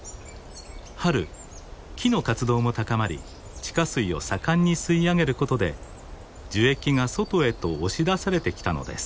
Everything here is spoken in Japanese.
春木の活動も高まり地下水を盛んに吸い上げることで樹液が外へと押し出されてきたのです。